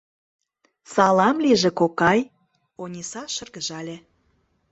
— Салам лийже, кокай, — Ониса шыргыжале.